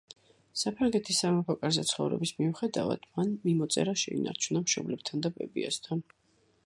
საფრანგეთის სამეფო კარზე ცხოვრების მიუხედავად, მან მიმოწერა შეინარჩუნა მშობლებთან და ბებიასთან.